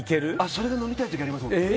それ、飲みたい時ありますね。